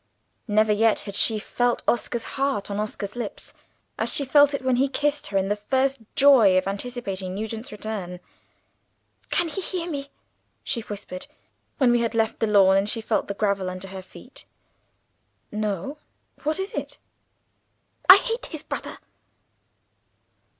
Never yet had she felt Oscar's heart on Oscar's lips, as she felt it when he kissed her in the first joy of anticipating Nugent's return! "Can he hear me?" she whispered, when we had left the lawn, and she felt the gravel under her feet. "No. What is it?" "I hate his brother!"